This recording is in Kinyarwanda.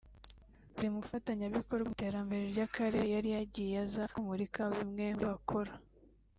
Buri mufatanyabikorwa mu iterambere ry’Akarere yari gayiye aza kumurika bimwe mubyo bakora